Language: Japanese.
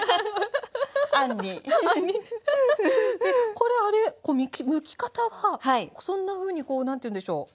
これあれむき方はそんなふうにこう何ていうんでしょう